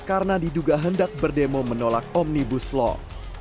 karena diduga hendak berdemo menolak omnibus law